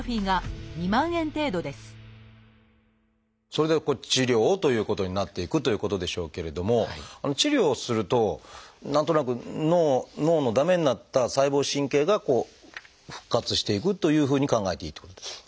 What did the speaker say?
それで治療をということになっていくということでしょうけれども治療をすると何となく脳の駄目になった細胞神経が復活していくというふうに考えていいっていうことですか？